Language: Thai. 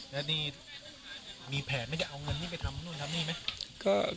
แล้วตัวนี้มีแผนจะจะเอาเงินนี่ไปทำโนคับนี่ไหม